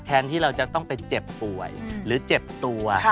ที่เราจะต้องไปเจ็บป่วยหรือเจ็บตัว